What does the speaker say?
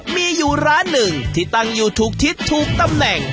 มีอยู่ร้านหนึ่งที่ตั้งอยู่ถูกทิศถูกตำแหน่ง